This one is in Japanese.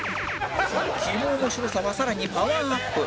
キモ面白さがさらにパワーアップ